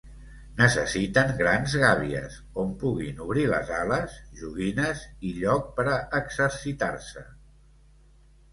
Necessiten grans gàbies, on puguin obrir les ales, joguines i lloc per a exercitar-se.